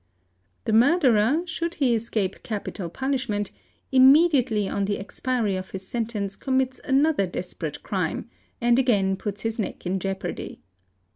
'The murderer, should he escape capital punish ment, immediately on the expiry of his sentence commits another _ desperate crime, and again puts his neck in jeopardy.